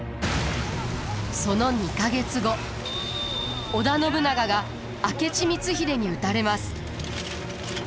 その２か月後織田信長が明智光秀に討たれます。